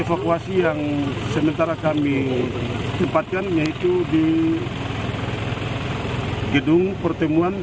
evakuasi yang sementara kami tempatkan yaitu di desa tonggute kecamatan ibu utara